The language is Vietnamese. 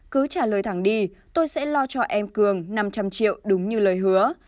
cứ trả lời thẳng đi tôi sẽ lo cho em cường năm trăm linh triệu đúng như lời hứa